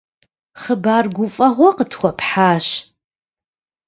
Хъыбар гуфӀэгъуэ къытхуэпхьащ.